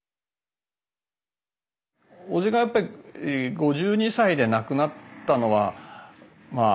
叔父がやっぱり５２歳で亡くなったのはまあ